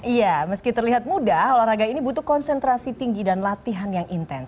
iya meski terlihat mudah olahraga ini butuh konsentrasi tinggi dan latihan yang intens